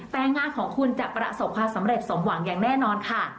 แต่งานของคุณจะประสบความสำเร็จสมหวังอย่างแน่นอนค่ะ